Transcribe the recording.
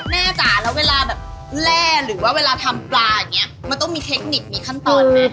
จ๋าแล้วเวลาแบบแร่หรือว่าเวลาทำปลาอย่างนี้มันต้องมีเทคนิคมีขั้นตอนไหม